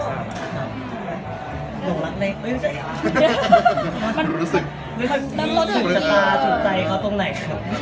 นั่นรอถึงจากตาจุดใจเค้าตรงไหน